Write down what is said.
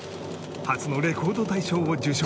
初のレコード大賞を受賞